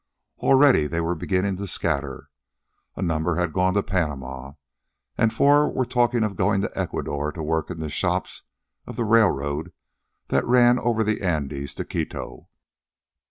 Already they were beginning to scatter. A number had gone to Panama, and four were talking of going to Ecuador to work in the shops of the railroad that ran over the Andes to Quito.